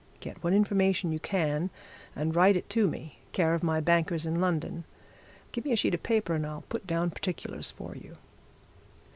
Get what information you can, and write it to me, care of my bankers in London. Give me a sheet of paper and I'll put down particulars for you.'"